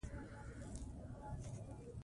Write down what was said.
پسه د افغانانو د ګټورتیا برخه ده.